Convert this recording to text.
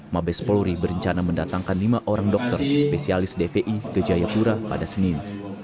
mabes polri berencana mendatangkan lima orang dokter spesialis dpi ke jayapura pada senin